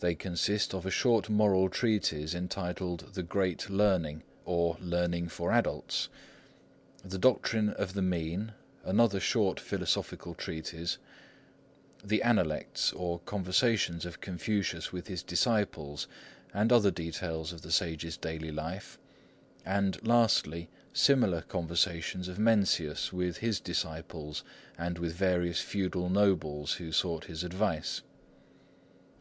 They consist of a short moral treatise entitled the Great Learning, or Learning for Adults; the Doctrine of the Mean, another short philosophical treatise; the Analects, or conversations of Confucius with his disciples, and other details of the sage's daily life; and lastly, similar conversations of Mencius with his disciples and with various feudal nobles who sought his advice.